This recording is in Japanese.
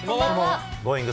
Ｇｏｉｎｇ！